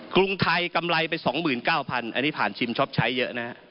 กรุงไทยกำไรไป๒๙๐๐อันนี้ผ่านชิมช็อปใช้เยอะนะฮะ